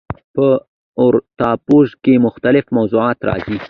په راپورتاژ کښي مختلیف موضوعات راځي.